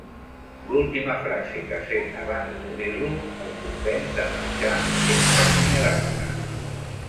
L'última frase que sent abans d'obrirlo el convenç de marxar sense acomiadar-se.